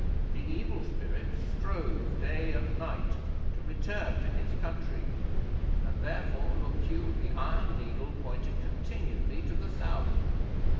The Evil Spirit strove day and night to return to his country, and therefore, look you, the iron needle pointed continually to the South.'